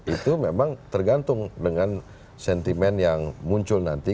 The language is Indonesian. itu memang tergantung dengan sentimen yang muncul nanti